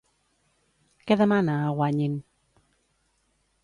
Què demana a Guanyin?